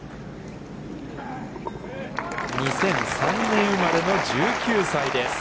２００３年生まれの１９歳です。